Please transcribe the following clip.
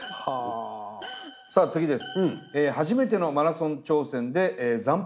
さあ次です。